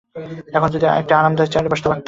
এখন যদি একটা আরামদায়ক চেয়ারে বসতে পারতাম।